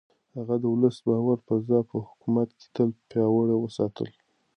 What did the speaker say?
هغه د ولس د باور فضا په حکومت کې تل پياوړې وساتله.